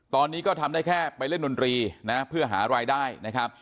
ตอนนี้ก็ทำได้แค่ไปเล่นดนตรีนะเพื่อหารายได้นะครับ